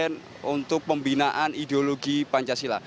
yang menjadi ketua program pembinaan ideologi pancasila